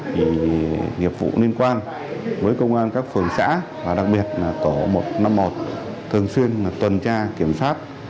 rồi nghiệp vụ liên quan với công an các phường xã và đặc biệt là tổ một trăm năm mươi một thường xuyên tuần tra kiểm soát